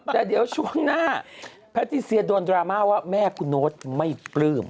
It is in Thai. แต่เดี๋ยวช่วงหน้าแพทติเซียโดนดราม่าว่าแม่คุณโน๊ตไม่ปลื้ม